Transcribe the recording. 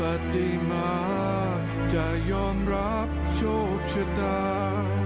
ปฏิมาจะยอมรับโชคชะตา